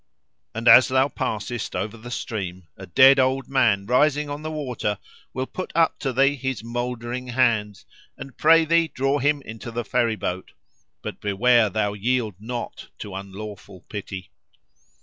And as thou passest over the stream, a dead old man, rising on the water, will put up to thee his mouldering hands, and pray thee draw him into the ferry boat. But beware thou yield not to unlawful pity.